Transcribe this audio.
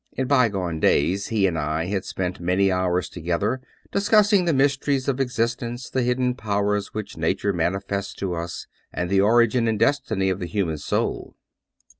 In bygone days he and I had spent many hours together, discussing the mysteries of existence, the hidden powers which nature manifests to us, and the origin and destiny of the human soul.